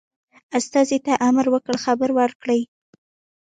استازي ته امر وکړ خبر ورکړي.